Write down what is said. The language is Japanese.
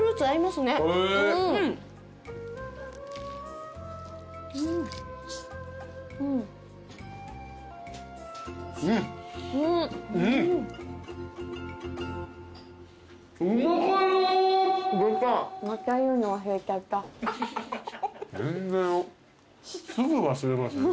すぐ忘れますね